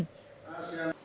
chúng ta cần thúc đẩy